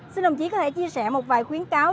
xin đồng chí có thể chia sẻ một vài khuyến cáo